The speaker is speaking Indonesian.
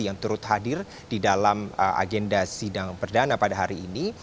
yang turut hadir di dalam agenda sidang perdana pada hari ini